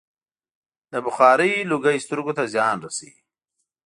د بخارۍ لوګی سترګو ته زیان رسوي.